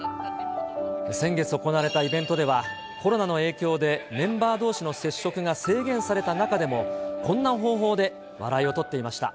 先月行われたイベントでは、コロナの影響でメンバーどうしの接触が制限された中でも、こんな方法で笑いを取っていました。